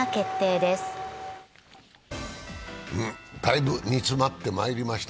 だいぶ煮詰まってまいりました。